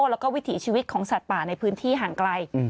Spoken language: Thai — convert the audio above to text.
แล้วก็วิถีชีวิตของสัตว์ป่าในพื้นที่ห่างไกล